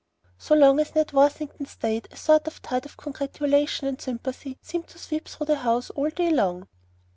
So long as Ned Worthington stayed, a sort of tide of congratulation and sympathy seemed to sweep through the house all day long.